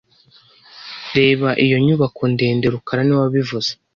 Reba iyo nyubako ndende rukara niwe wabivuze